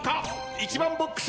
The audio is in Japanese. １番ボックス。